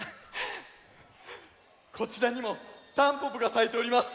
こちらにもたんぽぽがさいております！